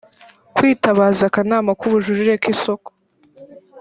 kwitabaza akanama k ubujurire k isoko